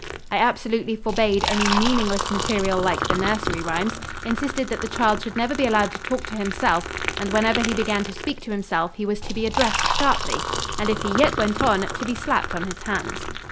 I absolutely forbade any meaningless material like the nursery rhymes, insisted that the child should never be allowed to talk to himself, and whenever he began to speak to himself he was to be addressed sharply, and if he yet went on, to be slapped on his hands.